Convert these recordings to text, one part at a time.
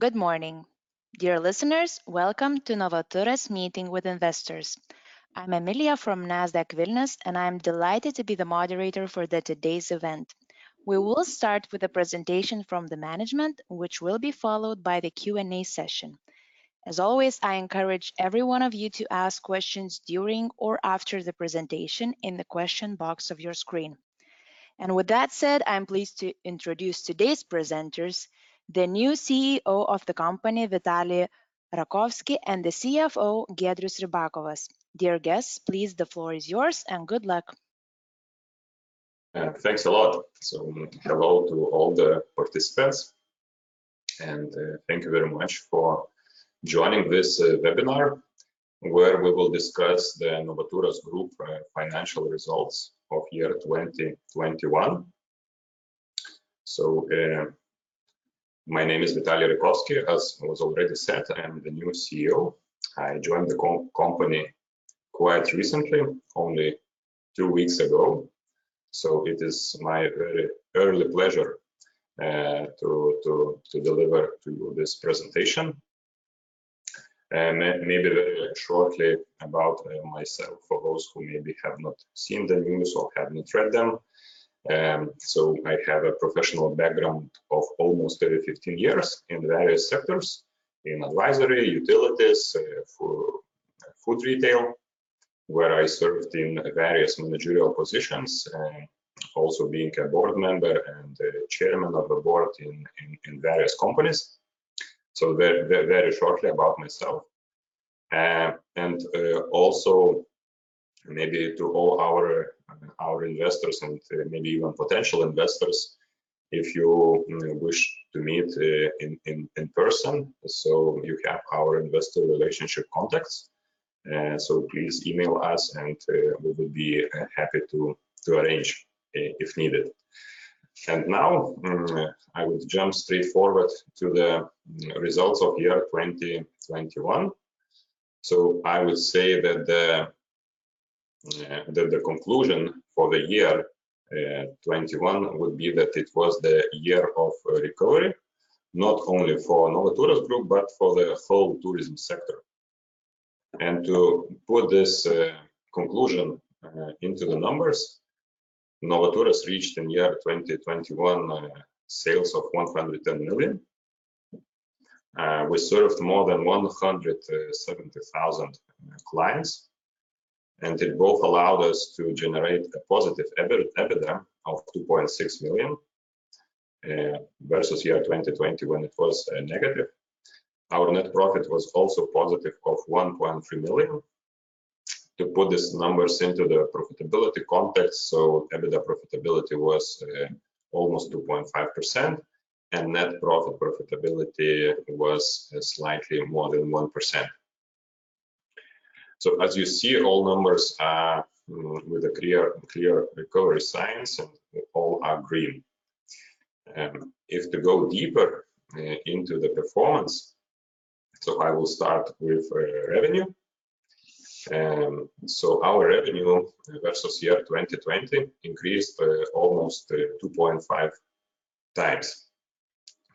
Good morning. Dear listeners, welcome to Novaturas meeting with investors. I'm Emilija from Nasdaq Vilnius, and I'm delighted to be the moderator for today's event. We will start with a presentation from the management which will be followed by the Q&A session. As always, I encourage every one of you to ask questions during or after the presentation in the question box of your screen. With that said, I'm pleased to introduce today's presenters, the new CEO of the company, Vitalij Rakovski, and the CFO, Tomas Korganas. Dear guests, please, the floor is yours, and good luck. Thanks a lot. Hello to all the participants, and thank you very much for joining this webinar where we will discuss the Novaturas Group Financial Results of Year 2021. My name is Vitalij Rakovski. As was already said, I am the new CEO. I joined the company quite recently, only two weeks ago so it is my very early pleasure to deliver to you this presentation. Maybe very shortly about myself for those who maybe have not seen the news or have not read them. I have a professional background of almost 35 years in various sectors, in advisory, utilities, food retail where I served in various managerial positions also being a board member and chairman of the board in various companies. Very shortly about myself. Also maybe to all our investors and maybe even potential investors, if you wish to meet in person so, you have our investor relations contacts. Please email us and we will be happy to arrange if needed. Now I will jump straightforward to the results of year 2021. I will say that the conclusion for the year 2021 would be that it was the year of recovery, not only for Novaturas Group but for the whole tourism sector. To put this conclusion into the numbers, Novaturas reached in year 2021 sales of 110 million. We served more than 170,000 clients. It both allowed us to generate a positive EBITDA of 2.6 million versus year 2020 when it was negative. Our net profit was also positive of 1.3 million. To put these numbers into the profitability context, EBITDA profitability was almost 2.5%, and net profit profitability was slightly more than 1%. As you see, all numbers are with a clear recovery signs and all are green. If to go deeper into the performance, I will start with revenue. Our revenue versus 2020 increased almost 2.5x.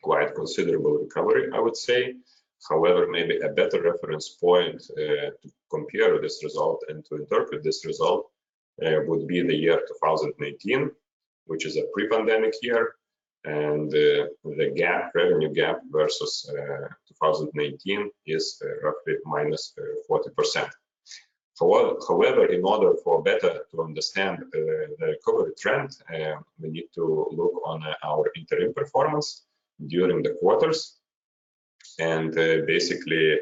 Quite considerable recovery, I would say. However, maybe a better reference point to compare this result and to interpret this result would be the year 2019, which is a pre-pandemic year. The revenue gap versus 2019 is roughly -40%. However, in order to better understand the recovery trend, we need to look at our interim performance during the quarters. Basically,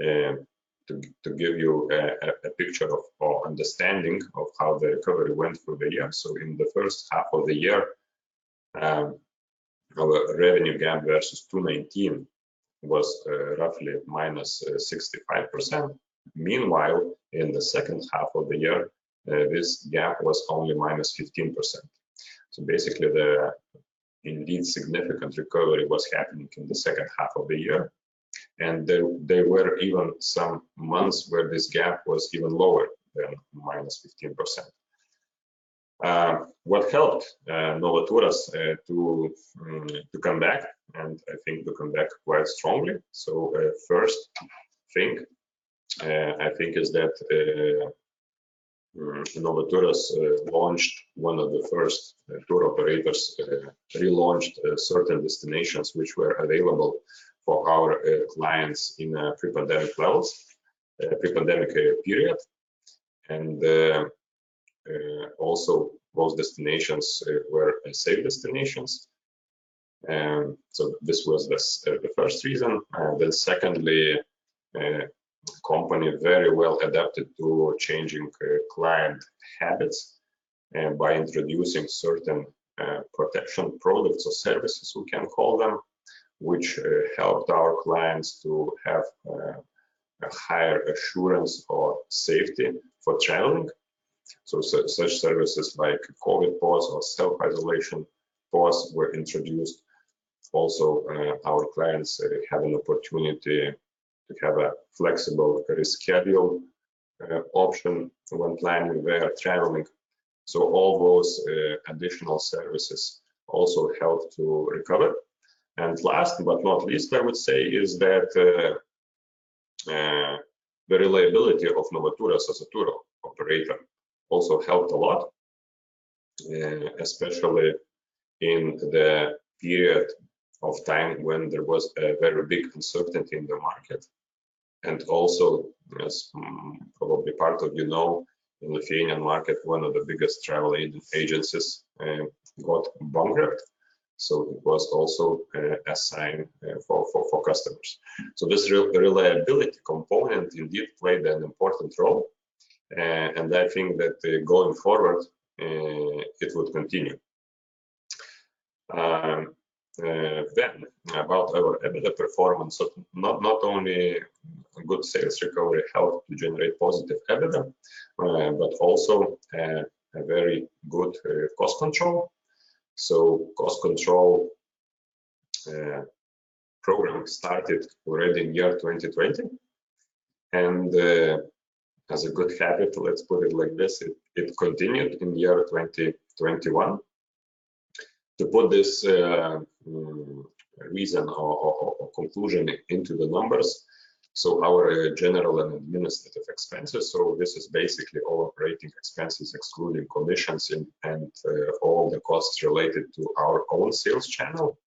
to give you a picture or understanding of how the recovery went for the year. In the first half of the year, our revenue gap versus 2019 was roughly -65%. Meanwhile, in the second half of the year, this gap was only -15%. Basically, they're indeed significant recovery was happening in the second half of the year. There were even some months where this gap was even lower than -15%. What helped Novaturas to come back and I think to come back quite strongly. First thing, I think is that Novaturas launched one of the first tour operators, relaunched certain destinations which were available for our clients in a pre-pandemic levels in the pre-pandemic period. Also those destinations were safe destinations. This was the first reason. Secondly, company very well adapted to changing client habits by introducing certain protection products or services we can call them, which helped our clients to have a higher assurance or safety for traveling. Such services like COVID pause or Self-isolation pause were introduced. Also, our clients have an opportunity to have a flexible schedule option when planning their traveling. All those additional services also helped to recover. Last but not least, I would say is that the reliability of Novaturas as a tour operator also helped a lot, especially in the period of time when there was a very big uncertainty in the market. As probably part of you know, in Lithuanian market, one of the biggest travel agencies got bankrupt. It was also a sign for customers. This reliability component indeed played an important role. I think that going forward, it would continue. About our EBITDA performance, not only good sales recovery helped to generate positive EBITDA but also a very good cost control. Cost control program started already in year 2020. As a good habit, let's put it like this, it continued in year 2021. To put this reason or conclusion into the numbers. Our general and administrative expenses. This is basically all operating expenses excluding commissions and all the costs related to our own sales channel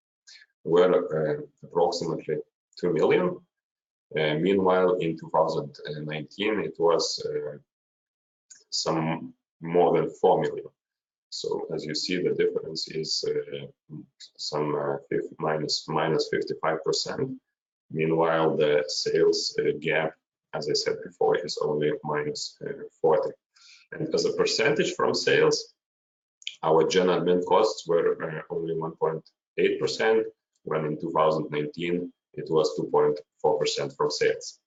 were approximately 2 million. Meanwhile, in 2019, it was some more than EUR 4 million. As you see, the difference is some -55%. Meanwhile, the sales gap as I said before, is only -40%. As a percentage from sales, our general admin costs were only 1.8%. When in 2019, it was 2.4% from sales.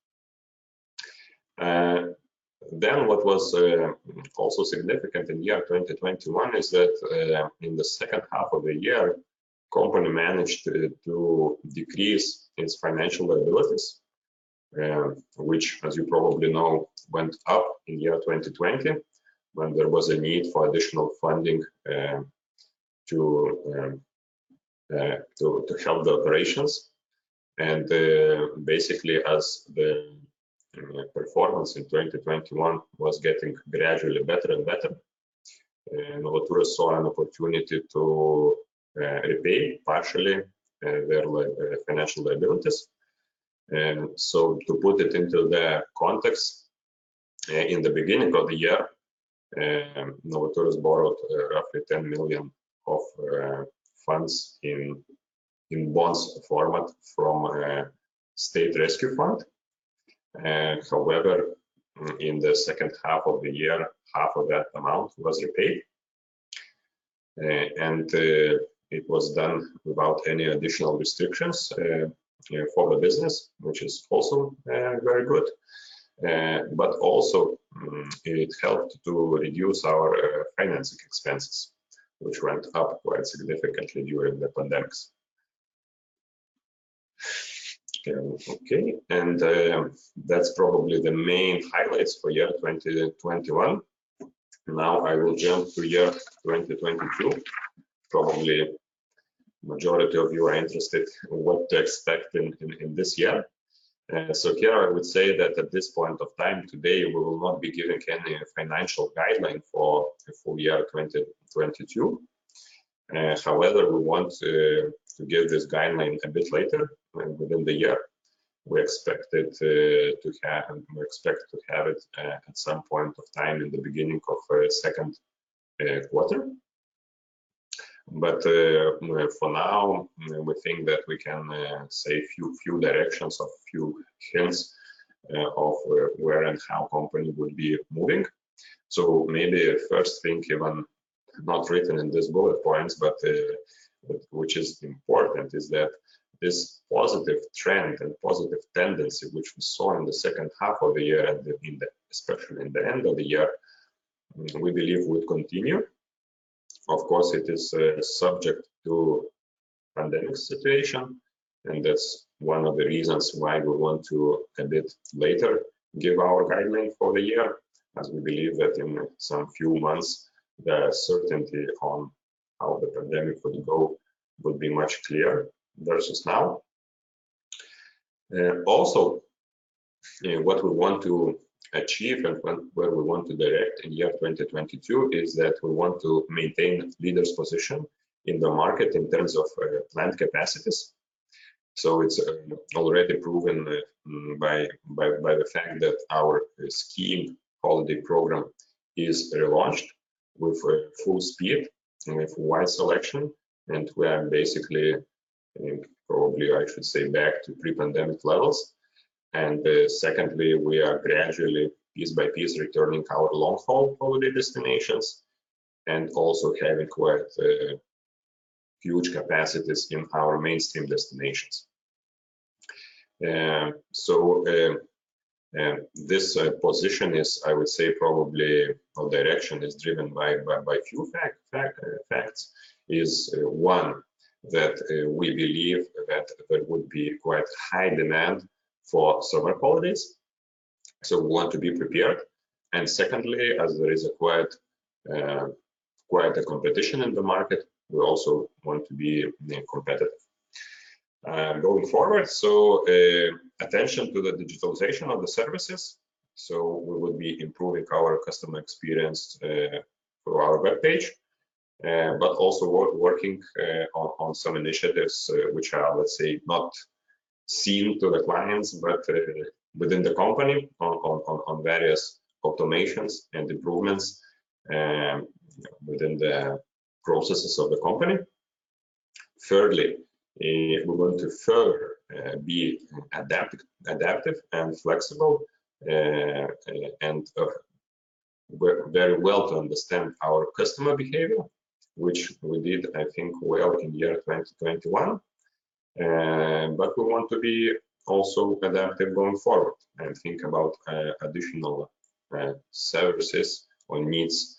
What was also significant in year 2021 is that in the second half of the year, company managed to decrease its financial liabilities which as you probably know, went up in year 2020 when there was a need for additional funding to help the operations. Basically, as the performance in 2021 was getting gradually better and better, Novaturas saw an opportunity to repay partially their financial liabilities. To put it into the context, in the beginning of the year, Novaturas borrowed roughly 10 million of funds in bonds format from state rescue fund. However, in the second half of the year, half of that amount was repaid. It was done without any additional restrictions for the business which is also very good. Also, it helped to reduce our financing expenses which went up quite significantly during the pandemic. Okay. That's probably the main highlights for year 2021. Now I will jump to year 2022. Probably majority of you are interested in what to expect in this year. Here I would say that at this point of time today, we will not be giving any financial guideline for full year 2022. However, we want to give this guideline a bit later within the year. We expect it to happen. We expect to have it at some point of time in the beginning of second quarter. For now, we think that we can say a few directions or a few hints of where and how company will be moving. Maybe first thing even not written in this bullet points but which is important is that this positive trend and positive tendency which we saw in the second half of the year especially in the end of the year, we believe would continue. Of course, it is subject to pandemic situation. That's one of the reasons why we want to a bit later give our guideline for the year, as we believe that in some few months the certainty on how the pandemic would go would be much clearer versus now. Also, what we want to achieve and where we want to direct in year 2022 is that we want to maintain leadership position in the market in terms of planned capacities. It's already proven by the fact that our skiing of the program is relaunched with full speed and with wide selection. We are basically, probably I should say, back to pre-pandemic levels. Secondly, we are gradually piece by piece returning our long-haul holiday destinations and also having quite huge capacities in our mainstream destinations. This position is, I would say, probably our direction is driven by few facts. One, that we believe that there would be quite high demand for summer holidays. We want to be prepared. Secondly, as there is quite a competition in the market, we also want to be competitive going forward. So attention to the digitalization of the services. We will be improving our customer experience through our web page but also working on some initiatives which are, let's say, not seen to the clients but within the company on various automations and improvements within the processes of the company. Thirdly, we want to further be adaptive and flexible and very well to understand our customer behaviour which we did, I think, well in the year 2021. We want to be also adaptive going forward and think about additional services or needs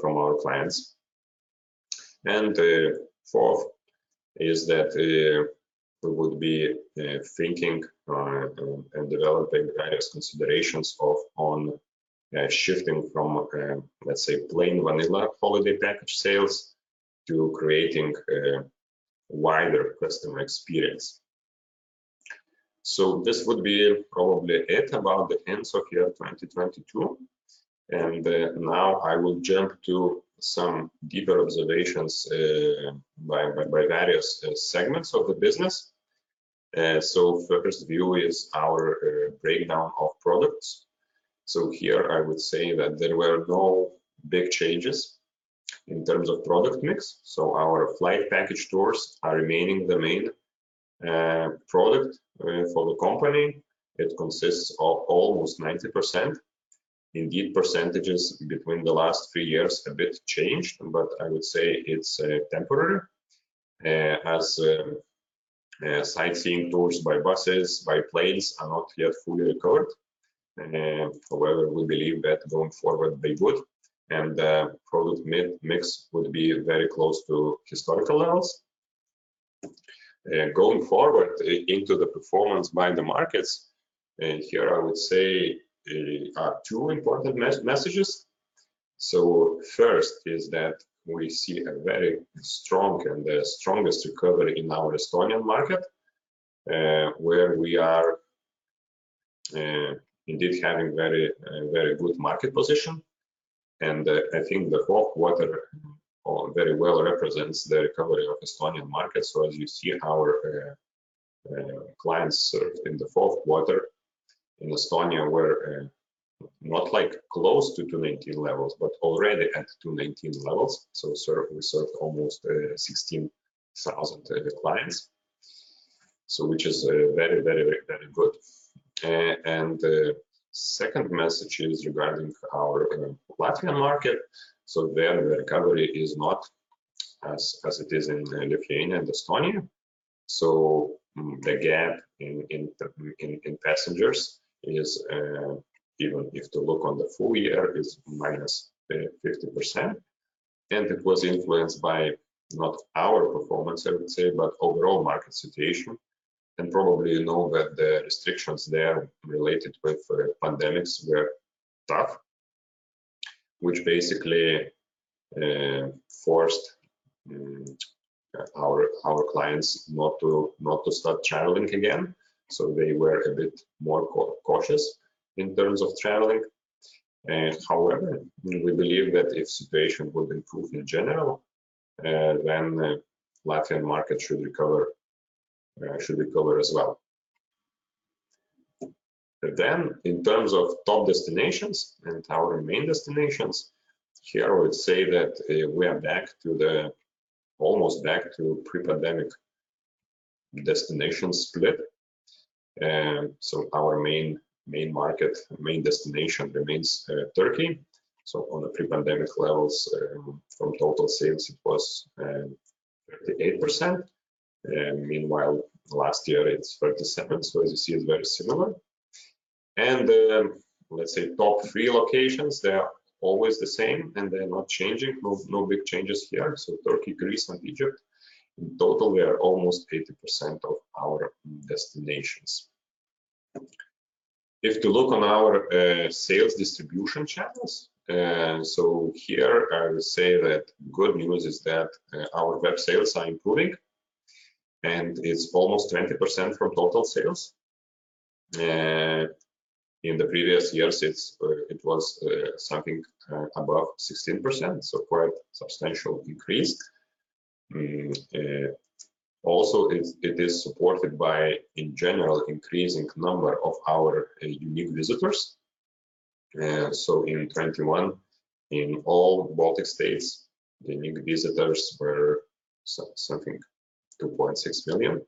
from our clients. Fourth is that we would be thinking and developing various considerations on shifting from let's say, [Train Vanilla] holiday package sales to creating wider customer experience. This would be probably it about the end of year 2022. Now I will jump to some deeper observations by various segments of the business. First view is our breakdown of products. Here I would say that there were no big changes in terms of product mix. Our flight package tours are remaining the main product for the company. It consists of almost 90%. Indeed, percentages between the last three years a bit changed but I would say it's temporary. Sightseeing tours by buses, by planes are not yet fully recovered. However, we believe that going forward they would. The product mix would be very close to historical levels. Going forward into the performance by the markets, here I would say there are two important messages. First, is that we see a very strong and the strongest recovery in our Estonian market, where we are indeed having a very good market position. I think the fourth quarter very well represents the recovery of Estonian market. As you see, our clients served in the fourth quarter in Estonia were not like close to 2019 levels but already at 2019 levels. We served almost 16,000 clients. Which is very good. The second message is regarding our Latvian market. There the recovery is not as it is in Lithuania and Estonia. The gap in passengers is even if to look on the full year, is -50%. It was influenced by not our performance, I would say, but overall market situation. Probably you know that the restrictions there related with pandemic were tough which basically forced our clients not to start traveling again. They were a bit more cautious in terms of traveling. However, we believe that if situation would improve in general then the Latvian market should recover as well. In terms of top destinations and our main destinations, here I would say that we are back to the almost back to pre-pandemic destination split. Our main market, main destination remains Turkey. On the pre-pandemic levels, from total sales, it was 38%. Meanwhile, last year it's 37%, so as you see it's very similar. Let's say top three locations, they are always the same and they're not changing. No big changes here. Turkey, Greece and Egypt. In total, they are almost 80% of our destinations. If we look at our sales distribution channels, here I would say that good news is that our web sales are improving and it's almost 20% from total sales. In the previous years, it was something above 16%, so quite substantial increase. Also it is supported by, in general, increasing number of our unique visitors. In 2021, in all Baltic states, the unique visitors were something 2.6 million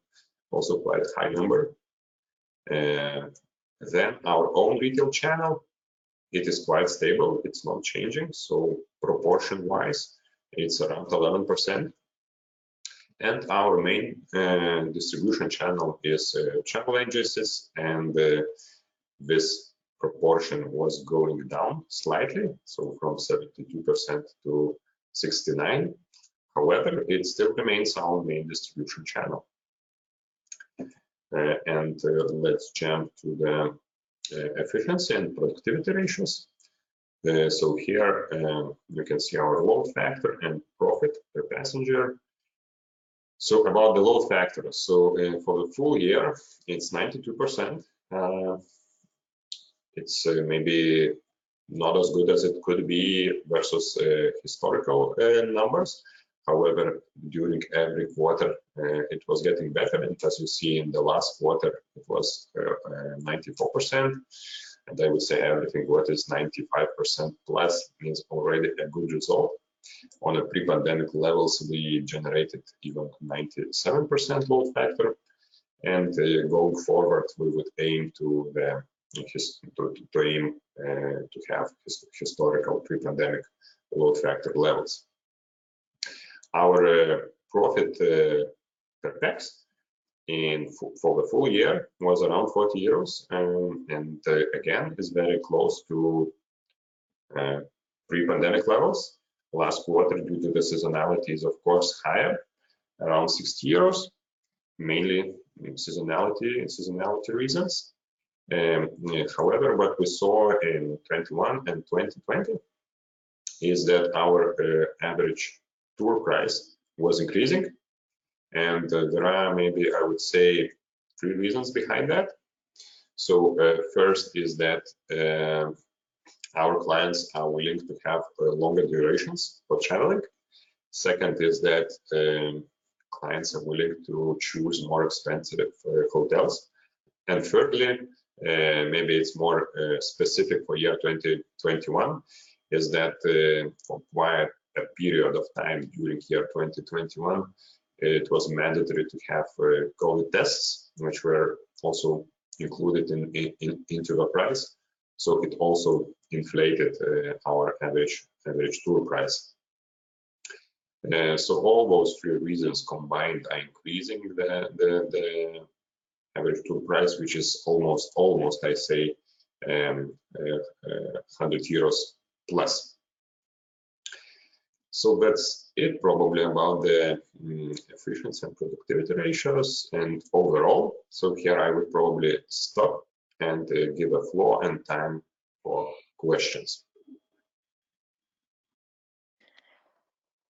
also quite high number. Our own retail channel, it is quite stable. It's not changing. Proportion-wise, it's around 11%. Our main distribution channel is travel agencies and... This proportion was going down slightly, from 72% to 69%. However, it still remains our main distribution channel. Let's jump to the efficiency and productivity ratios. Here, you can see our load factor and profit per passenger. About the load factor. For the full year, it's 92%. It's maybe not as good as it could be versus historical numbers. However, during every quarter, it was getting better. As you see in the last quarter, it was 94%. I would say everything what is 95%+ is already a good result. On pre-pandemic levels, we generated even 97% load factor. Going forward, we would aim to have historical pre-pandemic load factor levels. Our profit per pax for the full year was around 40 euros and again is very close to pre-pandemic levels. Last quarter, due to the seasonality, is of course higher, around 60 euros, mainly seasonality reasons. However, what we saw in 2021 and 2020 is that our average tour price was increasing. There are maybe, I would say, three reasons behind that. First, is that our clients are willing to have longer durations for traveling. Second, is that clients are willing to choose more expensive hotels. Thirdly, maybe it's more specific for year 2021, is that for quite a period of time during year 2021, it was mandatory to have COVID tests which were also included in, into the price. So it also inflated our average tour price. All those three reasons combined are increasing the average tour price, which is almost 100+ euros. That's it probably about the efficiency and productivity ratios and overall. Here I would probably stop and give the floor and time for questions.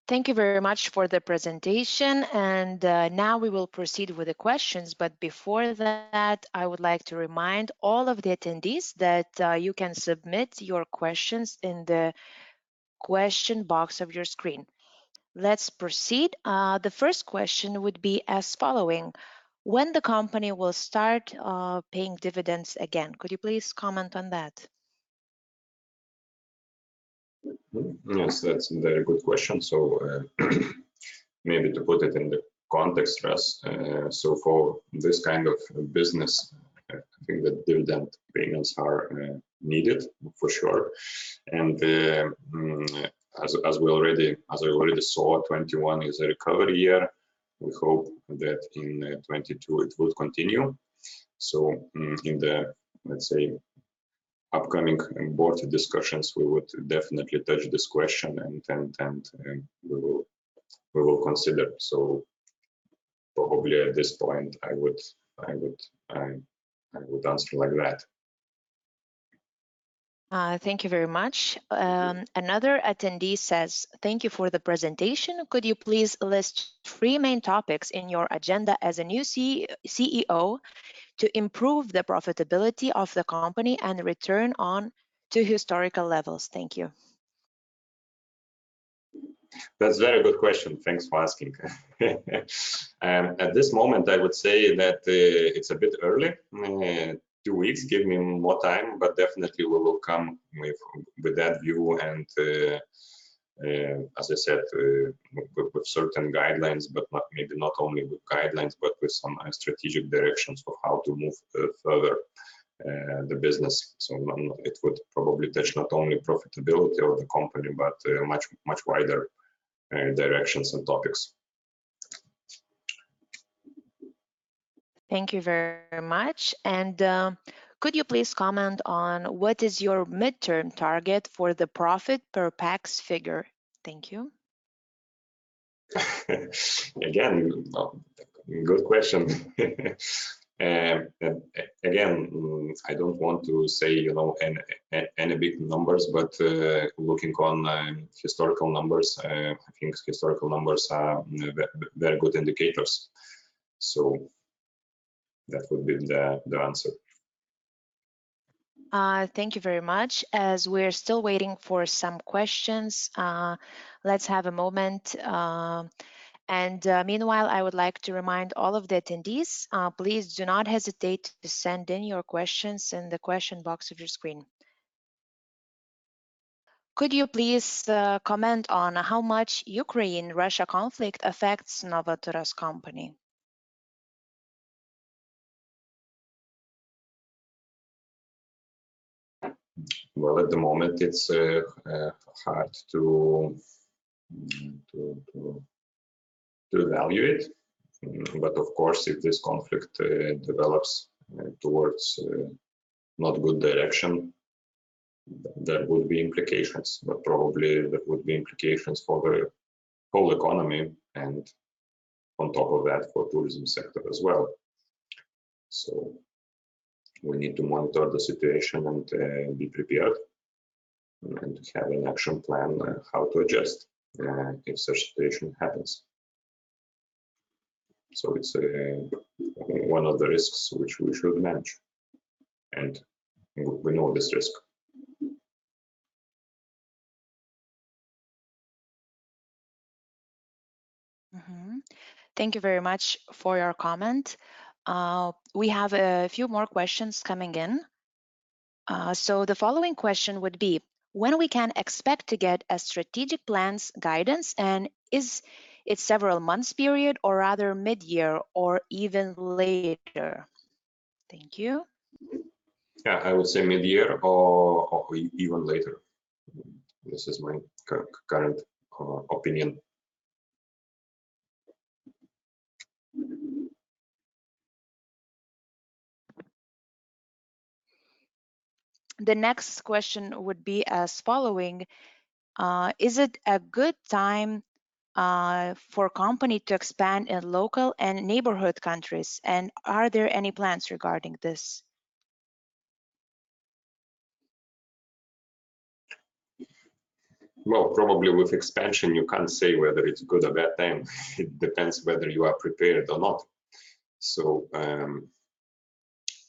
Thank you very much for the presentation. Now we will proceed with the questions. Before that, I would like to remind all of the attendees that you can submit your questions in the question box of your screen. Let's proceed. The first question would be as following, ''When the company will start paying dividends again?'' Could you please comment on that? Yes, that's a very good question. Maybe to put it in the context first. For this kind of business, I think the dividend payments are needed for sure. As I already saw, 2021 is a recovery year. We hope that in 2022 it will continue. In the, let's say, upcoming board discussions, we would definitely touch this question and we will consider. Probably at this point, I would answer like that. Thank you very much. Another attendee says, "Thank you for the presentation. Could you please list three main topics in your agenda as a new CEO to improve the profitability of the company and return it to historical levels?'' Thank you. That's a very good question. Thanks for asking. At this moment, I would say that it's a bit early. Two weeks, give me more time but definitely we will come with that view and as I said with certain guidelines but maybe not only with guidelines but with some strategic directions for how to move further the business. It would probably touch not only profitability of the company but much wider directions and topics. Thank you very much. ''Could you please comment on what is your midterm target for the profit per pax figure?'' Thank you. Again, good question. I don't want to say, you know, any big numbers but looking on historical numbers, I think historical numbers are very good indicators. That would be the answer. Thank you very much. As we're still waiting for some questions, let's have a moment. Meanwhile, I would like to remind all of the attendees, please do not hesitate to send in your questions in the question box of your screen. ''Could you please comment on how much Ukraine-Russia conflict affects Novaturas company?'' Well, at the moment it's hard to evaluate. Of course, if this conflict develops towards not good direction there would be implications. Probably there would be implications for the whole economy and on top of that, for tourism sector as well. We need to monitor the situation and be prepared and have an action plan on how to adjust if such situation happens. It's one of the risks which we should manage, and we know this risk. Thank you very much for your comment. We have a few more questions coming in. The following question would be, ''When we can expect to get a strategic plans guidance and is it several months period or rather mid-year or even later?'' Thank you. Yeah, I would say mid-year or even later. This is my current opinion. The next question would be as following. Is it a good time for a company to expand in local and neighborhood countries and are there any plans regarding this? Well, probably with expansion you can't say whether it's a good or bad time. It depends whether you are prepared or not.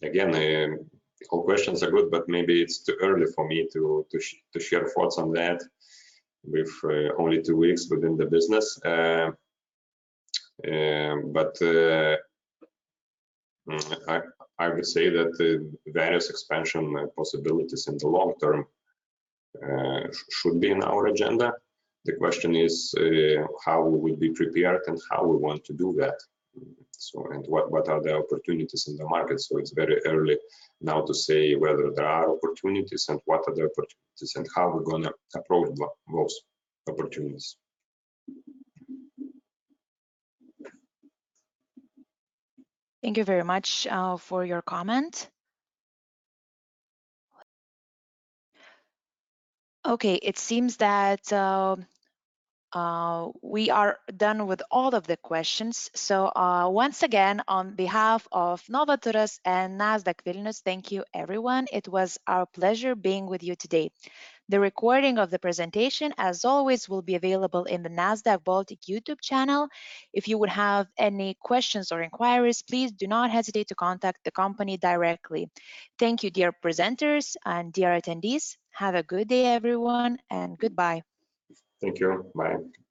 Again, all questions are good, but maybe it's too early for me to share thoughts on that with only two weeks within the business. I would say that the various expansion possibilities in the long term should be in our agenda. The question is, how we'll be prepared and how we want to do that and what are the opportunities in the market. It's very early now to say whether there are opportunities and what are the opportunities and how we're gonna approach those opportunities. Thank you very much for your comment. Okay. It seems that we are done with all of the questions. Once again, on behalf of Novaturas and Nasdaq Vilnius, thank you, everyone. It was our pleasure being with you today. The recording of the presentation as always, will be available in the Nasdaq Baltic YouTube channel. If you would have any questions or inquiries, please do not hesitate to contact the company directly. Thank you, dear presenters and dear attendees. Have a good day, everyone, and goodbye. Thank you. Bye.